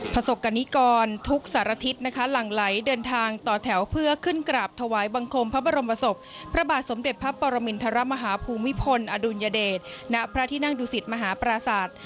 ประสบกรณิกรทุกสารทิศนะคะหลั่งไหลเดินทางต่อแถวเพื่อขึ้นกราบถวายบังคมพระบรมศพพระบาทสมเด็จพระปรมินทรมาฮาภูมิพลอดุลยเดชณพระที่นั่งดุสิตมหาปราศาสตร์